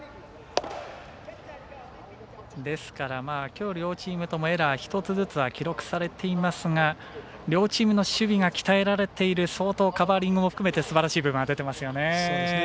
ですから、きょう両チームともエラー１つずつは記録されていますが両チームの守備が鍛えられている相当、カバーリングも含めて、すばらしい部分が出ていますよね。